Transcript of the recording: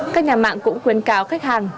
các nhà mạng cũng khuyến cáo khách hàng